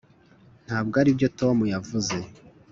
ntabwo aribyo tom yavuze